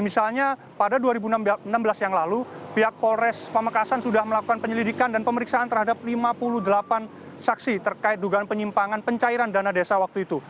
misalnya pada dua ribu enam belas yang lalu pihak polres pamekasan sudah melakukan penyelidikan dan pemeriksaan terhadap lima puluh delapan saksi terkait dugaan penyimpangan pencairan dana desa waktu itu